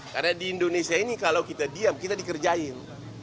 karena di indonesia ini kalau kita diam kita dikerjain